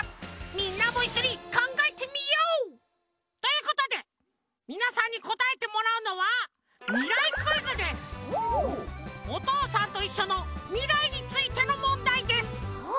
みんなもいっしょにかんがえてみよう！ということでみなさんにこたえてもらうのは「おとうさんといっしょ」のみらいについてのもんだいです。